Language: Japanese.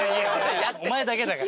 お前だけだから。